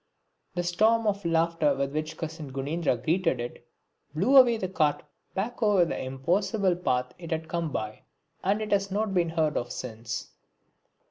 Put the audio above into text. The storm of laughter with which cousin Gunendra greeted it blew away the cart back over the same impossible path it had come by, and it has not been heard of since.